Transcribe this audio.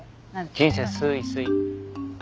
人生すーいすい。